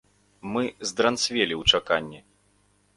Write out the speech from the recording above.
Мы здранцвелі ў чаканні.